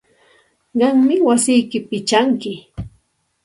Qammi wasiyki pichanki.